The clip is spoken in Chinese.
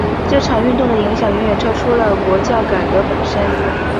这场运动的影响远远超出了国教改革本身。